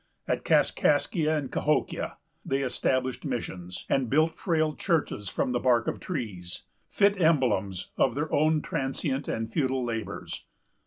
At Kaskaskia and Cahokia they established missions, and built frail churches from the bark of trees, fit emblems of their own transient and futile labors.